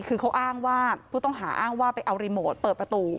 คือเขาอ้างว่าผู้ต้องหาอ้างว่าไปเอารีโมทเปิดประตู